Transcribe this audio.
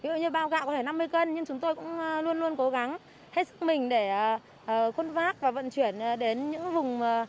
ví dụ như bao gạo có thể năm mươi cân nhưng chúng tôi cũng luôn luôn cố gắng hết sức mình để khuôn vác và vận chuyển đến những vùng